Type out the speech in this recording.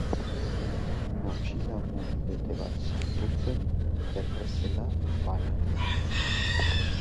Motxila more bete bat sartu zen errezela banaraziz.